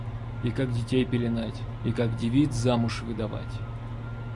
И как детей пеленать, и как девиц замуж выдавать!